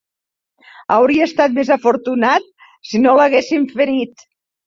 Hauria estat més afortunat si no l'haguessin ferit